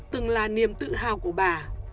từng là niềm tự hào của bà